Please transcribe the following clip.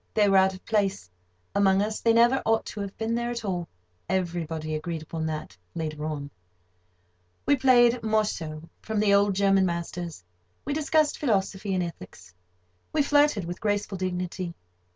They were out of place, among us. They never ought to have been there at all. Everybody agreed upon that, later on. We played morceaux from the old German masters. We discussed philosophy and ethics. We flirted with graceful dignity.